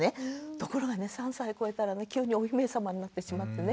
ところがね３歳こえたら急にお姫様になってしまってね